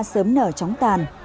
sớm nở trống tàn